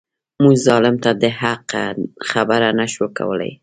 موږ ظالم ته د حق خبره نه شو کولای.